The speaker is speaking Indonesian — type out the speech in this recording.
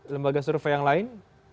lembaga survei yang lain